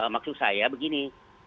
maksud saya begini